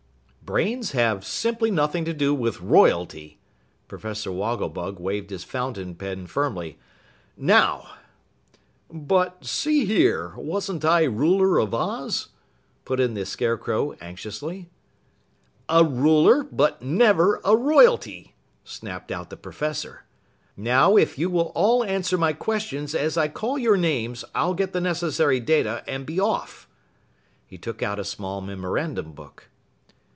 "Brains have simply nothing to do with royalty!" Professor Wogglebug waved his fountain pen firmly. "Now " "But see here, wasn't I ruler of Oz?" put in the Scarecrow anxiously. "A Ruler but never a royalty!" snapped out the Professor. "Now, if you will all answer my questions as I call your names, I'll get the necessary data and be off." He took out a small memorandum book.